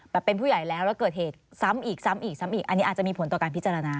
แบบเป็นผู้ใหญ่แล้วแล้วเกิดเหตุซ้ำอีกอันนี้อาจจะมีผลต่อการพิจารณา